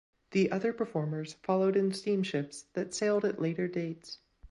The other performers followed in steamships that sailed at later dates.